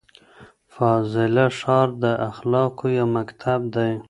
فاضله ښار د اخلاقو یو مکتب دی.